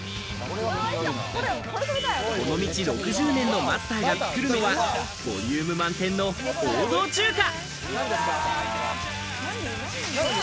この道６０年のマスターが作るのはボリューム満点の王道中華。